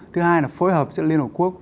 thứ hai là phối hợp liên hợp quốc